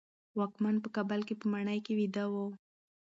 واکمن په کابل کې په ماڼۍ کې ویده و.